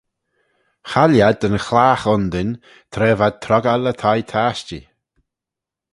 Chaill ad yn chlagh undin tra v'ad troggal y thie-tashtee.